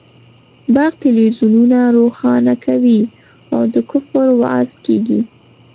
برق تلویزیونونه روښانه کوي او د کفر وعظ کېږي.